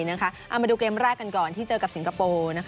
เอามาดูเกมแรกกันก่อนที่เจอกับสิงคโปร์